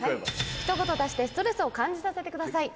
「一言足してストレスを感じさせて下さい」。